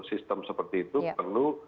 sistem seperti itu perlu